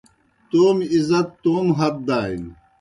تومیْ عزت توموْ ہت دانیْ